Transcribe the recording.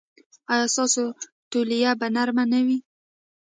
ایا ستاسو تولیه به نرمه نه وي؟